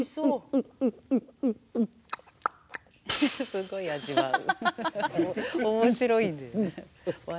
すごい味わう。